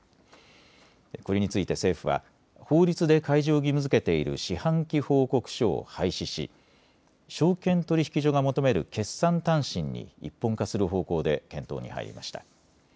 これについて政府は法律で開示を義務づけている四半期報告書を廃止し証券取引所が求める決算短信に一本化する方向で検討に入りました。